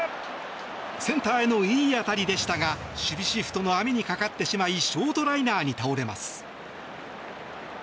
センターへのいい当たりでしたが守備シフトの網にかかってしまいショートライナーに倒れます。